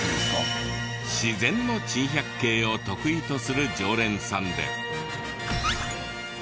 自然の珍百景を得意とする常連さんで。